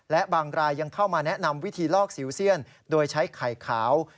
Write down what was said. และบางรายยังเข้ามาแนะนำวิธีลอกสิวเซียนโดยใช้ไข่ขาว